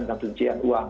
dengan pencian uang